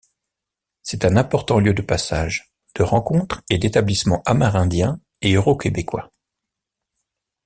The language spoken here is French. C’est un important lieu de passage, de rencontres et d’établissements amérindiens et euroquébécois.